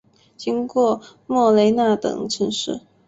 经过莫雷纳等城市。